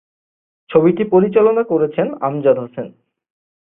ছবিটি পরিচালনা করেছেন আমজাদ হোসেন।